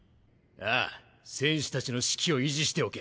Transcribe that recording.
ああ戦士たちの士気を維持しておけ。